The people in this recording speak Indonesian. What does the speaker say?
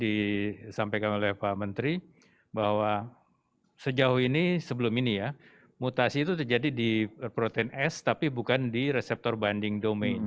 disampaikan oleh pak menteri bahwa sejauh ini sebelum ini ya mutasi itu terjadi di protein s tapi bukan di reseptor banding domain